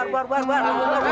buar buar buar